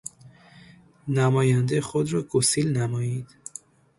نمایندهُ خود را گسیل نمائید.